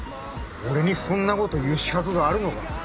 俺にそんなこと言う資格があるのか？